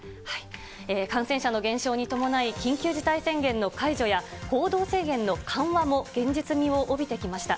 感染者の減少に伴い、緊急事態宣言の解除や、行動制限の緩和も現実味を帯びてきました。